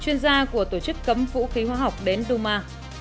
chuyên gia của tổ chức cấm vũ khí hoa học đến đu ma